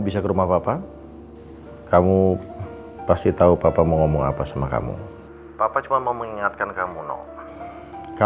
sampai jumpa di video selanjutnya